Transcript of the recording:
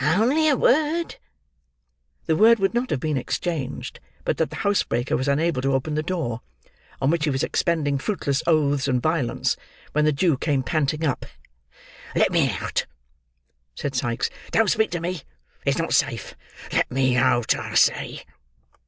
Only a word." The word would not have been exchanged, but that the housebreaker was unable to open the door: on which he was expending fruitless oaths and violence, when the Jew came panting up. "Let me out," said Sikes. "Don't speak to me; it's not safe. Let me out, I say!"